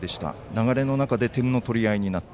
流れの中で点の取り合いになった。